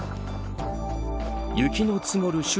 雪の積もる